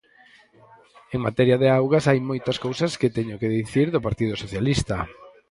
En materia de augas hai moitas cousas que teño que dicir do Partido Socialista.